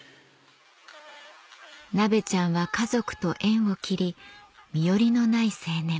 ナベちゃんは家族と縁を切り身寄りのない青年